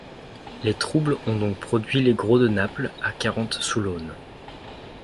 Les troubles ont donc produit les gros de Naples à quarante sous l’aune.